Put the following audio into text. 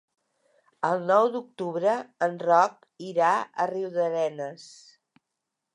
El nou d'octubre en Roc irà a Riudarenes.